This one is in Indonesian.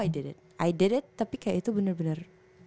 i did it tapi kayak itu bener bener